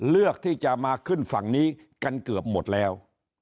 เลือกที่จะมาขึ้นฝั่งนี้กันเกือบหมดแล้ว